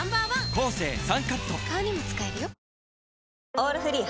「オールフリー」